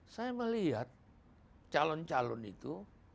saya melihat calon calon itu